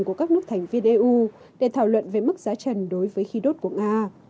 của các nước thành viên eu để thảo luận về mức giá trần đối với khí đốt của nga